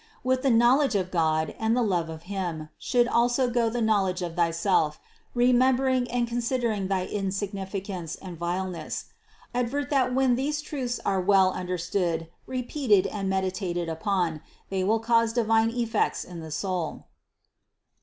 With the knowledge of God and the love of Him should also go the knowledge of thyself, remembering and consider ing thy insignificance and vileness. Advert that when these truths are well understood, repeated, and meditat ed upon, they will cause divine effects in the soul.